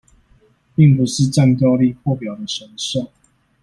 並不是戰鬥力破表的神獸